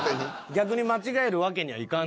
逆に間違えるわけにはいかん。